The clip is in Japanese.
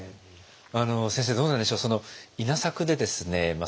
先生どうなんでしょう稲作でですね